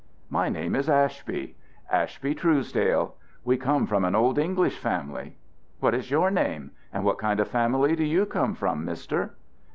"My name is Ashby. Ashby Truesdale. We come from an old English family. What is your name, and what kind of family do you come from, Mister?"